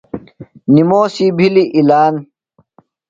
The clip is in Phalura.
نِموسی بِھلیۡ اعلان